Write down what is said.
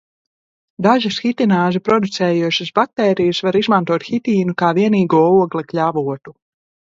Dažas hitināzi producējošas baktērijas var izmantot hitīnu kā vienīgo oglekļa avotu.